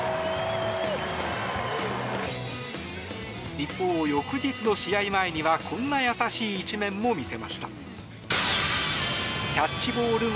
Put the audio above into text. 一方、翌日の試合前にはこんな優しい一面も見せました。